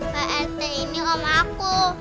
ke rt ini om aku